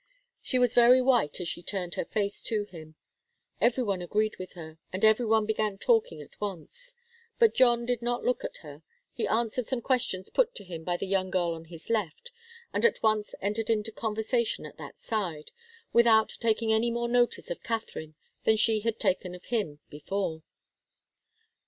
She was very white as she turned her face to him. Every one agreed with her, and every one began talking at once. But John did not look at her. He answered some question put to him by the young girl on his left, and at once entered into conversation at that side, without taking any more notice of Katharine than she had taken of him before.